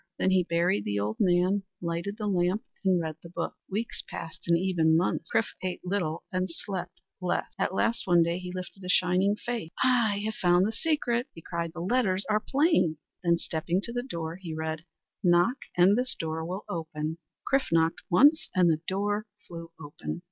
Then he buried the old man, lighted the lamp, and read the books. Weeks passed and even months. Chrif ate little and slept less. At last, one day, he lifted a shining face. "I have found the secret!" he cried, "the letters are plain." Then stepping to the door, he read: "Knock and this door will open." Chrif knocked once, and the door flew open.